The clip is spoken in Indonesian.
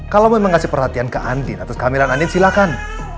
kalau mau memberikan perhatian ke andi atau kehamilan andi silakan